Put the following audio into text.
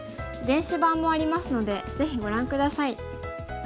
電子版もありますのでぜひご覧下さい。